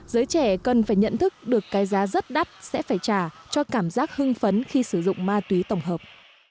giới trẻ cần phải nhận thức được cái giá rất đắt sẽ phải trả cho cảm giác hưng phấn khi sử dụng ma túy tổng hợp